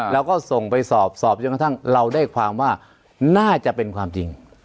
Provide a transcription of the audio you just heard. เราก็ส่งไปสอบสอบอยู่ขนาดนั้นแล้วได้ความว่าน่าจะเป็นความจริง